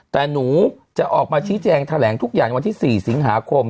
แต่หนูจะออกมาชี้แจงแถลงทุกอย่างวันที่๔สิงหาคม